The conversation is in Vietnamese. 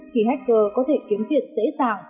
khi hacker có thể kiếm tiền dễ dàng